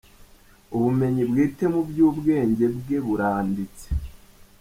Ubumenyi bwite mu by’ubwenge bwe buranditse.